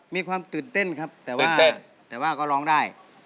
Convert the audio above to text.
มีความตื่นเต้นครับแต่ว่าก็ร้องได้